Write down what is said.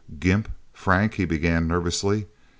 "Gimp... Frank..." he began nervously.